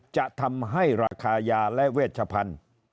จะทำให้ราคายาและเวชพันธุ์